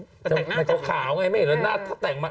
แต่เขาขาวไงไม่เห็นว่าหน้าเขาแต่งมา